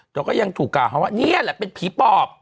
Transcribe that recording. ก็ยังถูกกล่าวหาว่านี่แหละเป็นผีปอบ